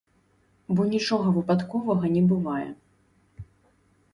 Бо нічога выпадковага не бывае.